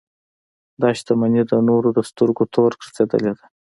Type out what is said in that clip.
دا شتمنۍ د نورو د سترګو تور ګرځېدلې ده.